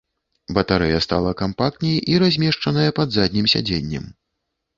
Батарэя стала кампактней і размешчаная пад заднім сядзеннем.